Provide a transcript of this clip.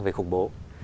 về khủng bố